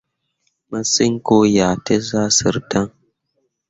Massǝŋ ko syak tǝ zah sǝrri dan.